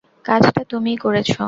কাজটা তুমিই করেছো।